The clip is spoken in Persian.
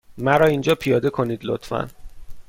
مرا اینجا پیاده کنید، لطفا.